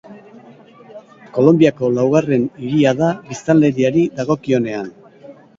Kolonbiako laugarren hiria da biztanleriari dagokionean.